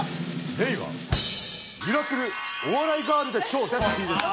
レイは「ミラクルお笑いガールで賞」です！